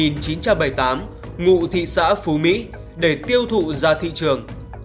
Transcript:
năm một nghìn chín trăm bảy mươi tám ngụ thị xã phú mỹ để tiêu thụ ra thị trường